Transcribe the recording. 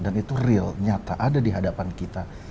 dan itu real nyata ada di hadapan kita